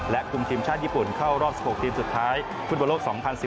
คุมทีมชาติญี่ปุ่นเข้ารอบ๑๖ทีมสุดท้ายฟุตบอลโลก๒๐๑๘